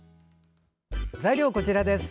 材料はこちらです。